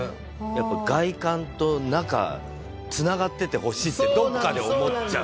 やっぱ外観と中繋がっててほしいってどっかで思っちゃう。